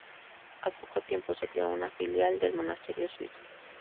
Al poco tiempo se creó una filial del monasterio suizo.